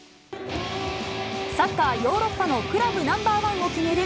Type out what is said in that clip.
サッカーヨーロッパのクラブナンバーワンを決める